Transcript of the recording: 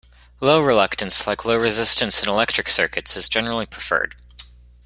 Low reluctance, like low resistance in electric circuits, is generally preferred.